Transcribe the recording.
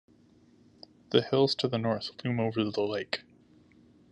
The hills to the north loom over the lake.